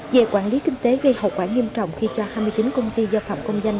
về quản lý kinh tế gây hậu quả nghiêm trọng khi cho hai mươi chín công ty do phạm công danh